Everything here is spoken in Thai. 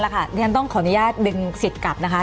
ขออนุญาตดึงสิทธิ์กลับนะคะ